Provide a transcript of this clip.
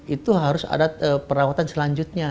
itu harus ada perawatan selanjutnya